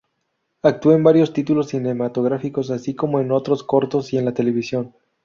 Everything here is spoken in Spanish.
Actuó en variados títulos cinematográficos, así como en otros cortos y en la televisión.